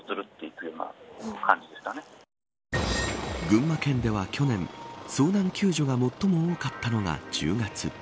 群馬県では去年遭難救助が最も多かったのは１０月。